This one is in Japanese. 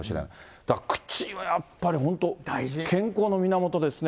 だから口はやっぱり本当、健康の源ですね。